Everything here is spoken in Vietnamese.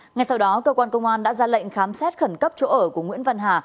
ngay sau đó cơ quan công an đã ra lệnh khám xét khẩn cấp chỗ ở của nguyễn văn hà